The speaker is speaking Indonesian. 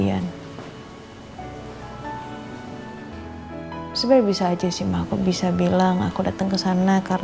kamu harus bangun kat